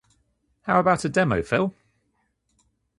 How about a demo, Phil?